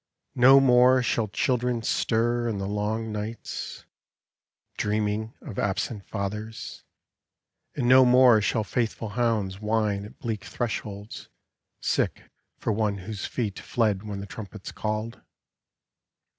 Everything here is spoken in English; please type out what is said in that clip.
No more shall children stir in the Ions niehta, PEACE Dreaming of absent fathers; and no more Shall faithful hounds whine at bleak thresholds, sick For one whose feet fled when the trumpets called.